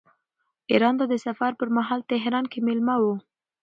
ایران ته د سفر پرمهال تهران کې مېلمه و.